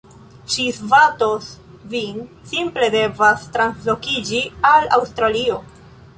Ŝi svatos vin. Simple devas translokiĝi al Aŭstralio